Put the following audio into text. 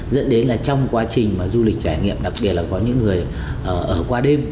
dẫn đến là trong quá trình mà du lịch trải nghiệm đặc biệt là có những người ở qua đêm